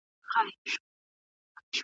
تحقیق د لټون او پلټني مانا لري.